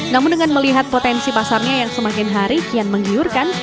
namun dengan melihat potensi pasarnya yang semakin hari kian menggiurkan